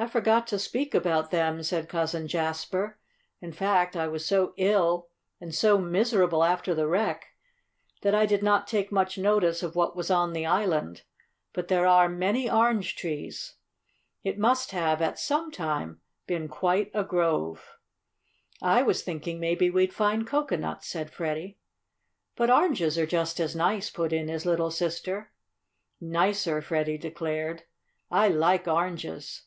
"I forgot to speak about them," said Cousin Jasper. "In fact I was so ill and so miserable after the wreck, that I did not take much notice of what was on the island. But there are many orange trees. It must have, at some time, been quite a grove." "I was thinking maybe we'd find cocoanuts," said Freddie. "But oranges are just as nice," put in his little sister. "Nicer," Freddie declared. "I like oranges.